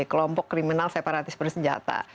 kelompok kriminal separatis bersenjata